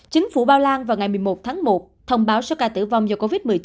chính phủ ba lan vào ngày một mươi một tháng một thông báo số ca tử vong do covid một mươi chín